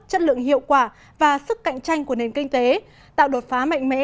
chất lượng hiệu quả và sức cạnh tranh của nền kinh tế tạo đột phá mạnh mẽ